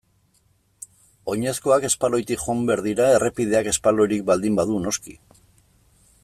Oinezkoak espaloitik joan behar dira errepideak espaloirik baldin badu noski.